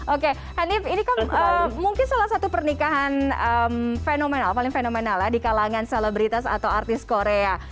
oke hanif ini kan mungkin salah satu pernikahan fenomenal paling fenomenal ya di kalangan selebritas atau artis korea